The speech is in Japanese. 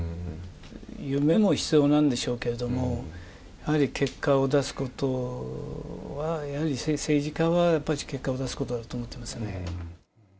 夢も必要なんでしょうけれども、やはり結果を出すことは、やはり政治家はやっぱり結果を出すことだと思ってますね。